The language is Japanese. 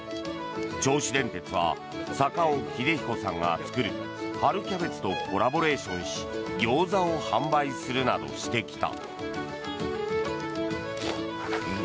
銚子電鉄は坂尾英彦さんが作る春キャベツとコラボレーションしギョーザを販売するなどしてきた。